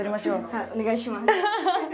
はいお願いします。